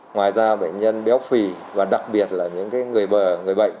ngoài ra bệnh nhân béo phì và đặc biệt là những người bệnh